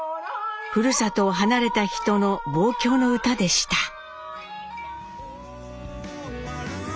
ふるさとを離れた人の望郷の歌でした。